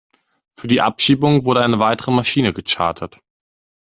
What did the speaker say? Für die Abschiebung wurde eine weitere Maschine gechartert.